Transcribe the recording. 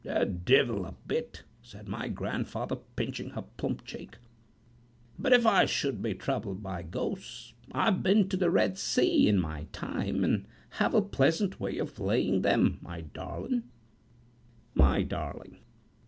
""The divil a bit!" said my grandfather, pinching her plump cheek; "but if I should be troubled by ghosts, I've been to the Red Sea in my time, and have a pleasant way of laying them, my darling!"